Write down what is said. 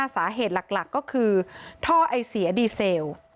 สาเหตุหลักก็คือท่อไอเสียดีเซล